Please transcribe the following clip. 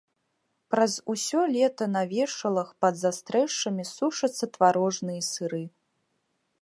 Праз усё лета на вешалах пад застрэшшамі сушацца тварожныя сыры.